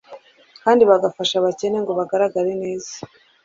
kandi bagafasha abakene ngo bagaragare neza.